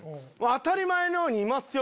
当たり前のようにいますよ！